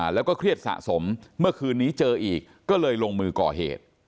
แล้วก็เครียดสะสมเมื่อคืนนี้เจออีกก็เลยลงมือก่อเหตุ